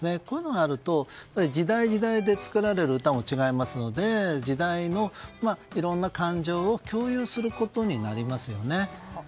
こういうのがあると時代、時代で作られる歌も違いますので時代のいろんな感情を共有することになりますよね。